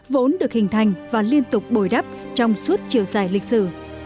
vốn được hình thành và liên tục bồi đắp trong suốt chiều dài lịch sử